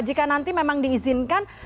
jika nanti memang diizinkan